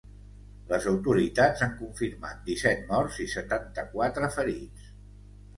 Les autoritats han confirmat disset morts i setanta-quatre ferits.